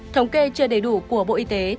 thống kê chưa đầy đủ của bộ y tế